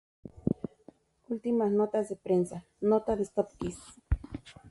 Últimas notas de prensa: Nota de Stop Kiss.